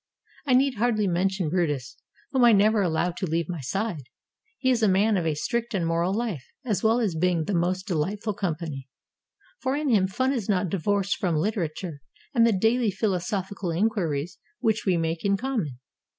I need hardly mention Brut tius, whom I never allow to leave my side. He is a man of a strict and moral Hfe, as well as being the most de lightful company. For in him fun is not divorced from Hterature and the daily philosophical inquiries which we make in common.